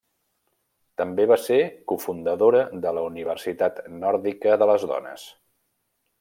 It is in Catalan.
També va ser cofundadora de la Universitat Nòrdica de les dones.